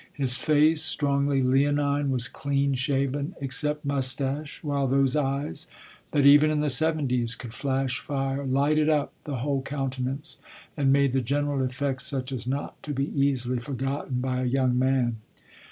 His face, strongly leonine, was clean shaven, except moustache, while those eyes, that even in the seventies could flash fire, lighted up the whole countenance, and made the general effect such as not to be easily forgotten by a young man.